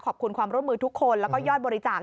ขอบคุณความร่วมมือทุกคนแล้วก็ยอดบริจาค